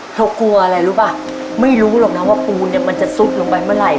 กลัวอะไรรู้ป่ะไม่รู้หรอกนะว่าปูนเนี่ยมันจะซุดลงไปเมื่อไหร่